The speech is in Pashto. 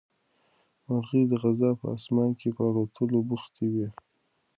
مرغۍ د غزا په اسمان کې په الوتلو بوختې وې.